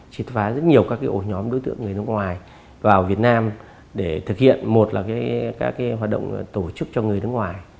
triệt phá rất nhiều các ổ nhóm đối tượng người nước ngoài vào việt nam để thực hiện một là các hoạt động tổ chức cho người nước ngoài